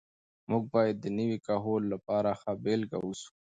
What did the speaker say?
موږ باید د نوي کهول لپاره ښه بېلګه واوسو.